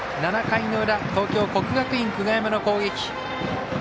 ７回の裏東京、国学院久我山の攻撃。